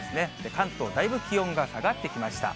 関東、だいぶ気温が下がってきました。